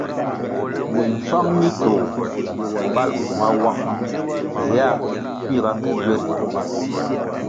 Mimfáng mi tôh bal bvu mawuang héa kuiga ke gyweri.